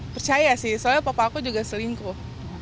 percaya sih soalnya papa aku juga selingkuh